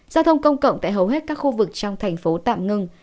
giao thông công cộng tại hầu hết các khu vực trong thành phố tạm ngưng